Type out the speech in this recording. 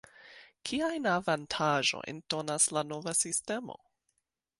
Kiajn avantaĝojn donas la nova sistemo?